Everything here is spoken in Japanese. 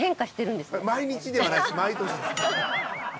毎日ではないです毎年です。